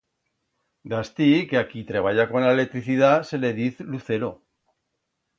D'astí que a qui treballa con a electricidat se le diz lucero.